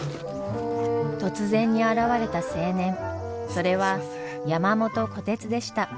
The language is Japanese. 突然に現れた青年それは山元虎鉄でした。